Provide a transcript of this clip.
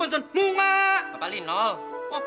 ini buat bapak